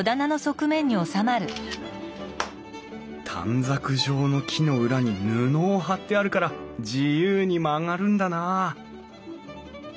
あ短冊状の木の裏に布を貼ってあるから自由に曲がるんだなあ